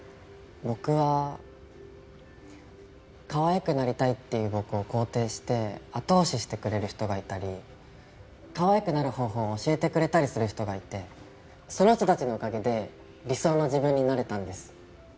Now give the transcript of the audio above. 僕はかわいくなりたいっていう僕を肯定して後押ししてくれる人がいたりかわいくなる方法を教えてくれたりする人がいてその人たちのおかげで理想の自分になれたんです。